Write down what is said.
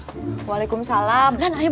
janganlah kamu pergi enlight anak itu